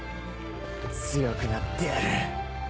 強くなってやる